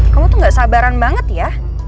kamu tuh gak sabaran banget ya